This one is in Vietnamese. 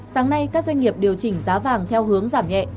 sáng nay các doanh nghiệp điều chỉnh giá vàng theo hướng giảm nhẹ